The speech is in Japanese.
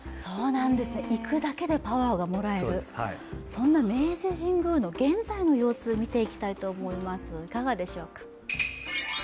行くだけでパワーがもらえる、そんな明治神宮の現在の様子を見ていきたいと思います。